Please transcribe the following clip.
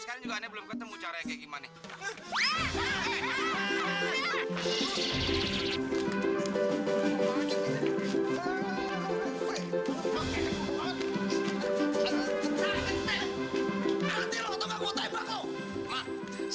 ini juga belum ketemu cara kayak gimana